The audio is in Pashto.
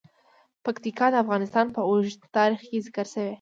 پکتیکا د افغانستان په اوږده تاریخ کې ذکر شوی دی.